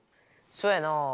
そやな。